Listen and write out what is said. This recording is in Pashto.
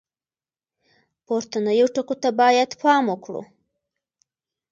پورتنیو ټکو ته باید پام وکړو.